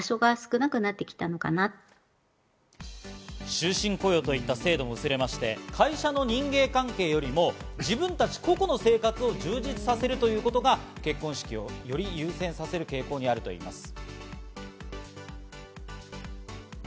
終身雇用といった制度としまして、会社の人間関係よりも自分たち個々の生活を充実させるということが結婚式をより優先させる傾向の傾向にあるといいます。